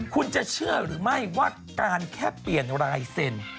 คุณจะเชื่อหรือไม่ว่าการแค่เปลี่ยนลายเซ็นต์